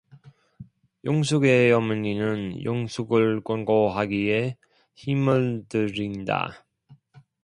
영숙의 어머니는 영숙을 권고하기에 힘을 들인다.